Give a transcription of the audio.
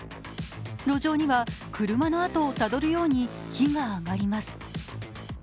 路上には車の跡をたどるように火が上がります。